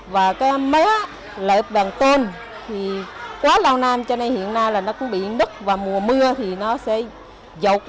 và cái mé lợi bàn tôn thì quá lao nan cho nên hiện nay nó cũng bị nứt và mùa mưa thì nó sẽ dọc lên